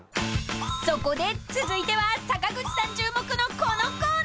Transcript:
［そこで続いては坂口さん注目のこのコーナー］